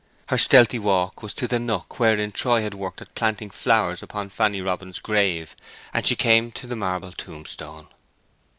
Her stealthy walk was to the nook wherein Troy had worked at planting flowers upon Fanny Robin's grave, and she came to the marble tombstone.